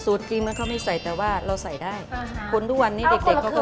สูตรกรีมเขาไม่ใส่แต่ว่าเราใส่ได้อ่าค่ะคนทุกวันนี้เด็กเด็กเขาก็กิน